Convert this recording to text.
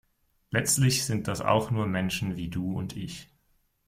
Letztlich sind das auch nur Menschen wie du und ich.